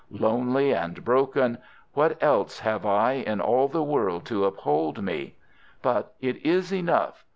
Lonely and broken, what else have I in all the world to uphold me? But it is enough.